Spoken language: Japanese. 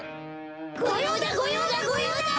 ごようだごようだごようだ！